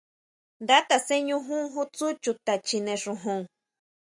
Nda taseñujun ju tsú chuta chjine xojon.